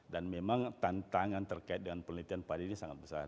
dan memang tantangan terkait dengan penelitian padi ini sangat besar